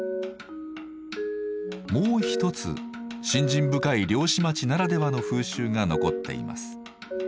もう一つ信心深い漁師町ならではの風習が残っています。